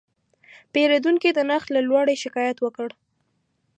پیرودونکی د نرخ له لوړې شکایت وکړ.